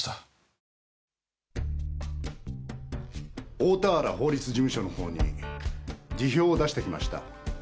大田原法律事務所のほうに辞表を出してきました。